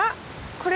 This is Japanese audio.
これ。